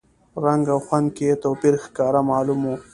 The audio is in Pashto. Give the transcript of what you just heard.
رنګ او خوند کې یې توپیر ښکاره معلوم و.